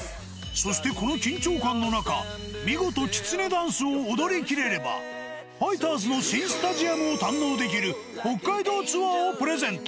そしてこの緊張感の中、見事きつねダンスを踊りきれれば、ファイターズの新スタジアムを堪能できる北海道ツアーをプレゼント。